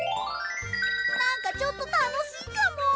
なんかちょっと楽しいかも。